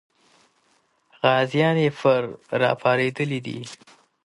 غازیان یې پرې راپارېدلي دي.